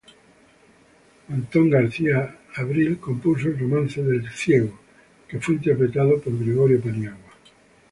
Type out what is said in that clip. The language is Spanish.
Antón García Abril compuso el "Romance del ciego" que fue interpretado por Gregorio Paniagua.